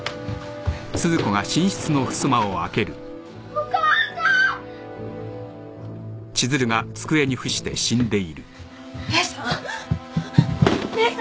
お母さん！？姉さん？